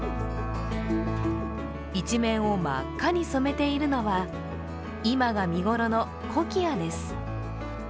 一面を真っ赤に染めているのは今が見頃のコキアです。